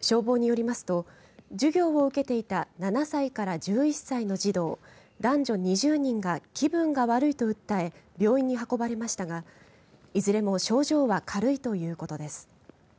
消防によりますと授業を受けていた７歳から１１歳の児童男女２０人が気分が悪いと訴え病院に運ばれましたが、いずれも症状は軽いということです。